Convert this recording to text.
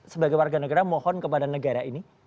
sebagai warga negara mohon kepada negara ini